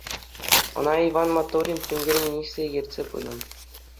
Ӑна Ивӑн Моторин премьер-министр ертсе пынӑ.